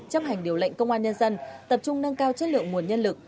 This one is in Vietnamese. chấp hành điều lệnh công an nhân dân tập trung nâng cao chất lượng nguồn nhân lực